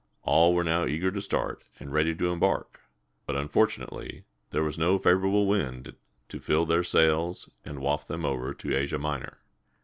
All were now eager to start, and ready to embark; but unfortunately there was no favorable wind to fill their sails and waft them over to Asia Minor.